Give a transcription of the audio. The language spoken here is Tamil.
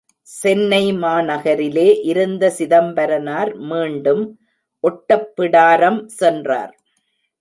சென்னை மாநகரிலே இருந்த சிதம்பரனார் மீண்டும் ஒட்டப்பிடாரம் சென்றார்.